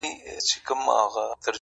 • سړي و ویل قاضي ته زما بادار یې,